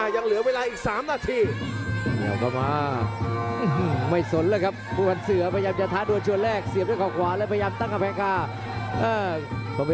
อยู่ที่ผู้พันธ์เสือแล้วครับ